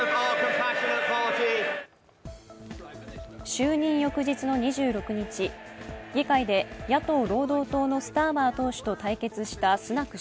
就任翌日の２６日、議会で野党・労働党のスターマー党首と対決したスナク